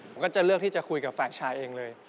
ผมก็จะเลือกที่จะคุยกับฝ่ายชายเองเลย